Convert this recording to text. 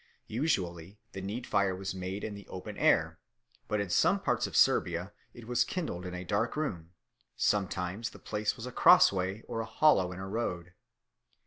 Usually the need fire was made in the open air, but in some parts of Serbia it was kindled in a dark room; sometimes the place was a cross way or a hollow in a road.